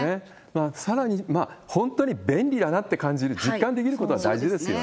さらに、本当に便利だなって感じる、実感できることは大事ですよね。